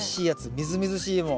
みずみずしいもん。